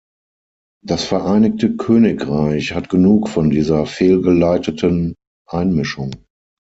Das Vereinigte Königreich hat genug von dieser fehlgeleiteten Einmischung.